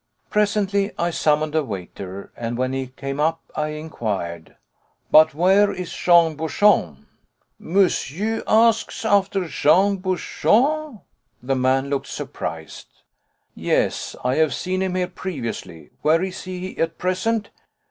Presently I summoned a waiter, and when he came up I inquired: "But where is Jean Bouchon?" "Monsieur asks after Jean Bouchon?" The man looked surprised. "Yes, I have seen him here previously. Where is he at present?"